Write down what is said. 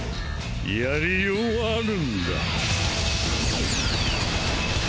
やりようはあるんだ